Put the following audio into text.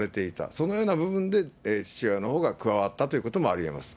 そのような部分で父親のほうが加わったということもありえます。